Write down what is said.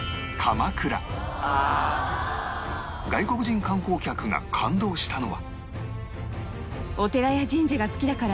外国人観光客が感動したのは